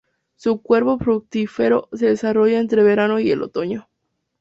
Su cuerpo fructífero se desarrolla entre el verano y el otoño.